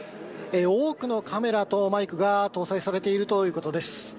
多くのカメラとマイクが搭載されているということです。